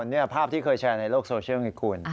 นี่คือภาพที่เคยแชร์ในโลกโซเชียลเมื่อกร